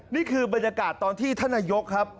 นี่คือบรรยากาศตอนที่ท่านนายกครับ